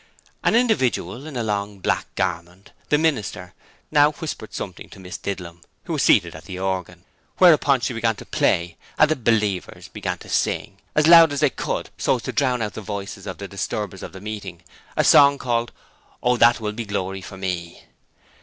An individual in a long black garment the 'minister' now whispered something to Miss Didlum, who was seated at the organ, whereupon she began to play, and the 'believers' began to sing, as loud as they could so as to drown the voices of the disturbers of the meeting, a song called 'Oh, that will be Glory for me!'